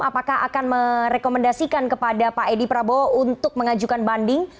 apakah akan merekomendasikan kepada pak edi prabowo untuk mengajukan banding